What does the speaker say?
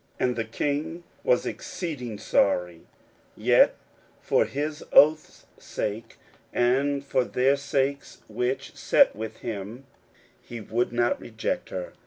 41:006:026 And the king was exceeding sorry; yet for his oath's sake, and for their sakes which sat with him, he would not reject her.